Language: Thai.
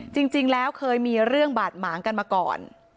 จริงแล้วเคยมีเรื่องบาดหมางกันมาก่อน